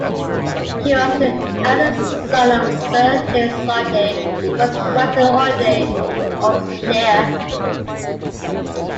He was the eldest son of Sir James Audley of Stratton Audley in Oxfordshire.